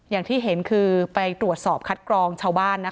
อย่างที่เห็นคือไปตรวจสอบคัดกรองชาวบ้านนะคะ